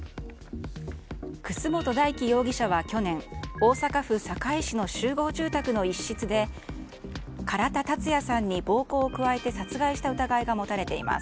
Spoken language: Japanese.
楠本大樹容疑者は去年大阪府堺市の集合住宅の一室で唐田健也さんに暴行を加えて殺害した疑いが持たれています。